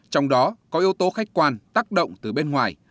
trong đó có yếu tố khách quan tác động từ bên ngoài